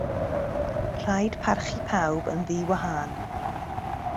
Rhaid parchu pawb yn ddiwahân.